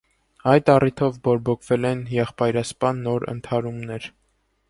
Այդ առիթով բորբոքվել են եղբայրասպան նոր ընդհարումներ։